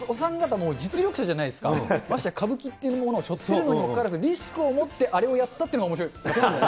もう実力者じゃないですか、ましてや、歌舞伎っていうものをしょってるにもかかわらず、リスクをもってあれをやったっていうのがおもしろかったですね。